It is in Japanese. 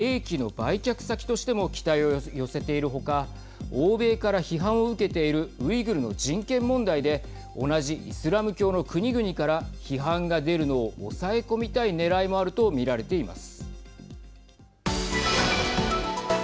エネルギーの調達先や兵器の売却先としても期待を寄せている他欧米から批判を受けているウイグルの人権問題で同じイスラム教の国々から批判が出るのを抑え込みたいねらいもあると見られています。